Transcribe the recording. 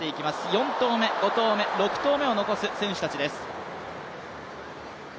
４投目、５投目、６投目を残す選手たちです。